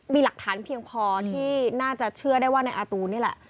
มีหลักฐานเพียงพอที่น่าจะเชื่อได้ว่านายอาตูนนี่แหละ